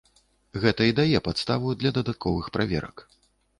Гэта і дае падставу для дадатковых праверак.